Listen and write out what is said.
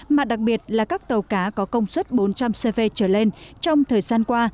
mà đặc biệt là các tàu cá có công suất bốn trăm linh cv trở lên trong thời gian qua